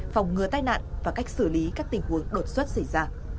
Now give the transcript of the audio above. phòng ngừa tai nạn và cách xử lý các tình huống đột xuất xảy ra